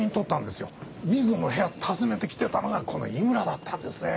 水野の部屋訪ねて来てたのがこの井村だったんですねえ。